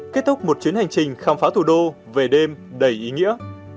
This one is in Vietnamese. kết thúc một chuyến hành trình khám phá thủ đô về đêm đầy ý nghĩa